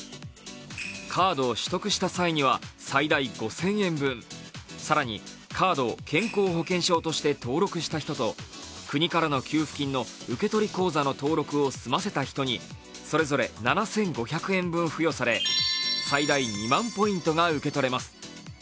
カードを取得した際には最大５０００円分更にカードを健康保険証として登録した人と国からの給付金の受け取り口座の登録を済ませた人にそれぞれ７５００円分付与され、最大２万ポイントが受け取れます。